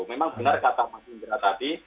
memang benar kata mas indra tadi